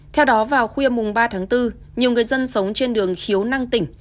theo đó vào khuya mùng ba tháng bốn nhiều người dân sống trên đường khiếu năng tỉnh